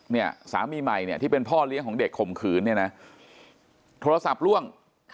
เนี่ยสามีใหม่เนี่ยที่เป็นพ่อเลี้ยงของเด็กข่มขืนเนี่ยนะโทรศัพท์ล่วง